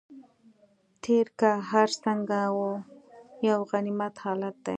تېر که هر څنګه و یو غنیمت حالت دی.